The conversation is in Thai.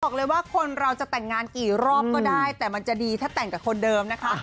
บอกเลยว่าคนเราจะแต่งงานกี่รอบก็ได้แต่มันจะดีถ้าแต่งกับคนเดิมนะคะ